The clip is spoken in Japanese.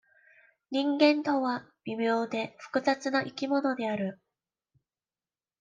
人間とは、微妙で、複雑な生き物である。